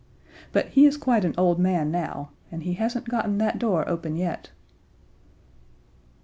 But he is quite an old man now, and he hasn't gotten that door open yet!